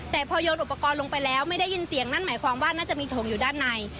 แต่พอโยนอุปกรณ์ลงไปแล้วไม่ได้ยินเสียงนั่นหมายความว่าน่าจะมีถงอยู่ด้านใน